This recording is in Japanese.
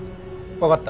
わかった。